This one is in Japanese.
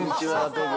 どうも。